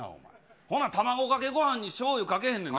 ほんなら、卵かけごはんにしょうゆかけへんねんな。